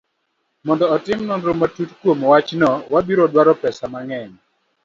Mondo otim nonro matut kuom wachno, wabiro dwaro pesa mang'eny.